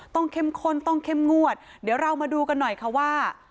เข้มข้นต้องเข้มงวดเดี๋ยวเรามาดูกันหน่อยค่ะว่า